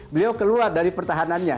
beliau keluar dari pertahanannya